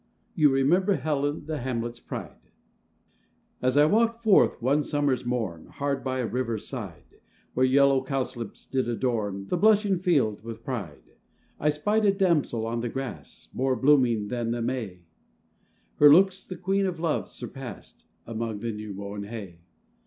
You remember Helen, the hamlet's pride.] AS I walked forth one summer's morn, Hard by a river's side, Where yellow cowslips did adorn The blushing field with pride; I spied a damsel on the grass, More blooming than the may; Her looks the Queen of Love surpassed, Among the new mown hay.